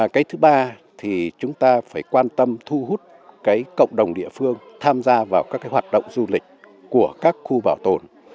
cái thứ ba thì chúng ta phải quan tâm thu hút cái cộng đồng địa phương tham gia vào các hoạt động du lịch của các khu bảo tồn